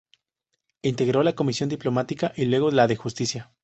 Integró la comisión diplomática y luego la de Justicia.